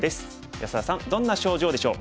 安田さんどんな症状でしょう？